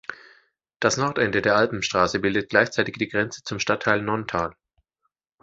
Das Nordende der Alpenstraße bildet gleichzeitig die Grenze zum Stadtteil Nonntal.